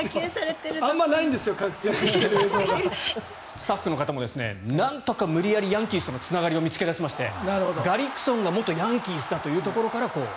スタッフの方もなんとか無理やりヤンキースとのつながりを見つけ出してガリクソンが元ヤンキースだというところから。